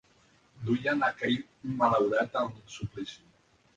Duien aquell malaurat al suplici.